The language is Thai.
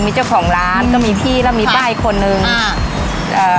มีเจ้าของร้านก็มีพี่แล้วมีใบ้คนนึงอ่า